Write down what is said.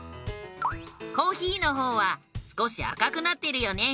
コーヒーの方は少し赤くなってるよね。